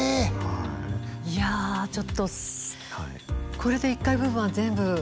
いやちょっとこれで１階部分は全部埋まってしまう。